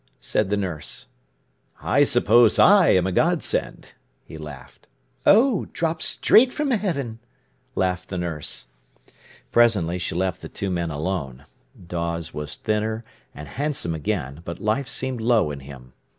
said the nurse. "I suppose I am a godsend," he laughed. "Oh, dropped straight from heaven!" laughed the nurse. Presently she left the two men alone. Dawes was thinner, and handsome again, but life seemed low in him.